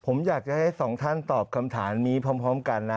ผมอยากจะให้สองท่านตอบคำถามนี้พร้อมกันนะ